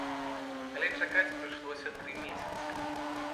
Але чакаць прыйшлося тры месяцы.